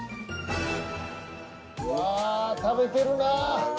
うわ食べてるなぁ。